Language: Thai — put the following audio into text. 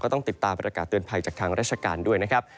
ต้องติดตามประกาศเตือนภัยจากทางราชการด้วยนะครับ